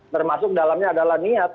termasuk dalamnya adalah niat